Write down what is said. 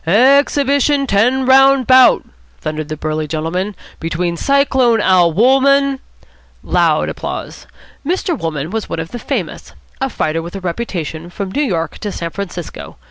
"Ex hib it i on ten round bout," thundered the burly gentleman, "between Cyclone. Al. Wolmann " Loud applause. Mr. Wolmann was one of the famous, a fighter with a reputation from New York to San Francisco.